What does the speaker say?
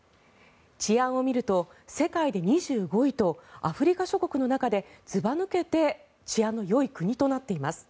治安を見ると世界で２５位とアフリカ諸国の中でずば抜けて治安のよい国となっています。